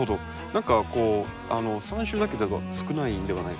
何かこう３種だけでは少ないんではないですか？